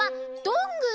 どんぐー？